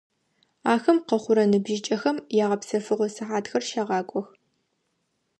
Ахэм къэхъурэ ныбжьыкӀэхэм ягъэпсэфыгъо сыхьатхэр щагъакӀох.